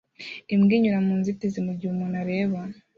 Imbwa inyura mu nzitizi mugihe umuntu areba